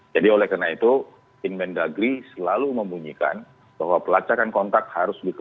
jadi oleh karena itu in band agri selalu membunyikan bahwa pelacakan kontak harus dikejar